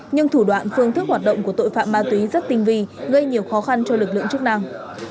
nhưng thủ đoạn phương thức hoạt động của tội phạm ma túy rất tinh vi gây nhiều khó khăn cho lực lượng chức năng